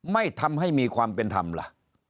ไม่ทำให้มีความเป็นธรรมล่ะ